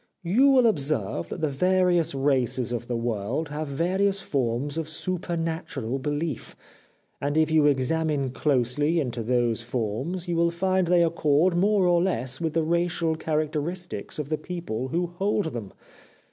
You will ob serve that the various races of the world have various forms of supernatural belief, and if you examine closely into those forms you will find they accord more or less with the racial char acteristics of the people who hold them.